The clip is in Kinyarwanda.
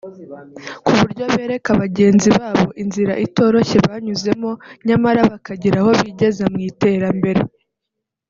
ku buryo bereka bagenzi babo inzira itoroshye banyuzemo nyamara bakagira aho bigeza mu iterambere